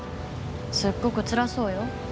すっごくつらそうよ。